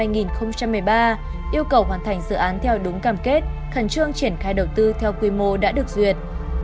yêu cầu hoàn thành dự án theo đúng cam kết khẩn trương triển khai đầu tư theo quy mô đã được duyệt